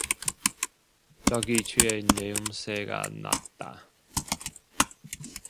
가지취의 내음새가 났다.